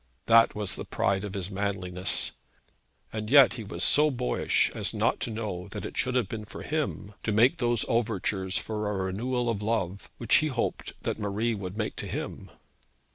That was the pride of his manliness; and yet he was so boyish as not to know that it should have been for him to make those overtures for a renewal of love, which he hoped that Marie would make to him.